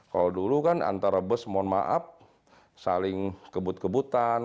kalau dulu kan antara bus mohon maaf saling kebut kebutan